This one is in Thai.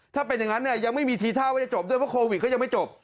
ถ้าเป็นอย่างนั้นเนี่ยยังไม่มีทีท่าว่าจะจบด้วยเพราะโควิดก็ยังไม่จบ